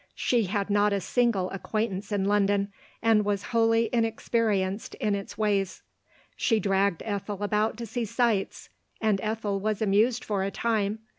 She had not a single acquaintance in London, and was wholly inexperienced in its ways. She dragged Ethel about to see sights, and Ethel was amused for a time.